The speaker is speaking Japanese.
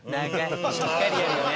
しっかりやるよね。